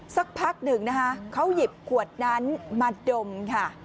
สักพักหนึ่งนะคะเขาหยิบขวดนั้นมาดมค่ะ